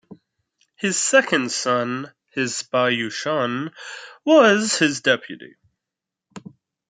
His second son, Hsinbyushin was his deputy.